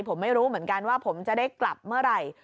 ผมไม่รู้เหมือนกันว่าผมจะได้กลับเมื่อไหร่